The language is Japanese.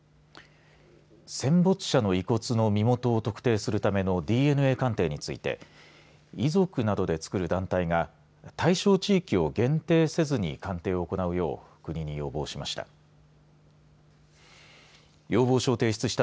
戦没者の遺骨の身元を特定するためのＤＮＡ鑑定について遺族などでつくる団体が対象地域を限定せずに鑑定を行うよう国に要望しました。